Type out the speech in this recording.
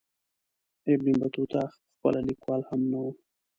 ابن بطوطه پخپله لیکوال هم نه وو.